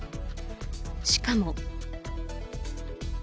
しかも。